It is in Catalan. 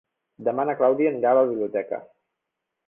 Demà na Clàudia anirà a la biblioteca.